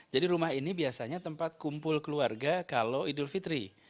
jadi rumah ini biasanya tempat kumpul keluarga kalau idul fitri